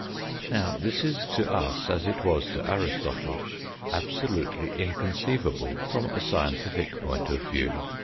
Now, this is to us, as it was to Aristotle, absolutely inconceivable from a scientific point of view.